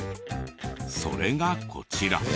それがこちら。